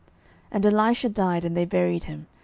12:013:020 And Elisha died, and they buried him.